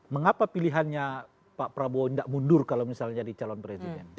mengapa pilihannya pak prabowo tidak mundur kalau misalnya jadi calon presiden